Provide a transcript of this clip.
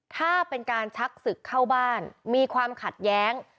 ถ้าเป็นการชักศึกเข้าบ้านมีความขัดแย้ง